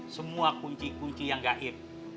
semua kunci kunci yang gaib